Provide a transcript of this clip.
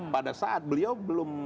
pada saat beliau belum